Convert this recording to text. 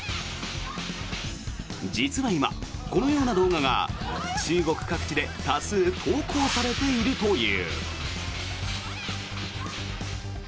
実は今、このような動画が中国各地で多数、投稿されているという。